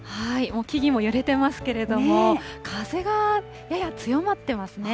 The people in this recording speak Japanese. もう木々も揺れてますけれども、風がやや強まってますね。